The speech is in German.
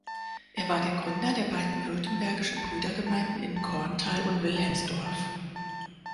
Er war der Gründer der beiden württembergischen Brüdergemeinden in Korntal und Wilhelmsdorf.